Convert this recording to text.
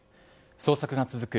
捜索が続く